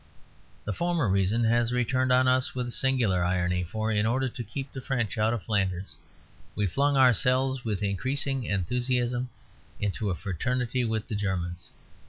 The former reason has returned on us with a singular irony; for in order to keep the French out of Flanders we flung ourselves with increasing enthusiasm into a fraternity with the Germans.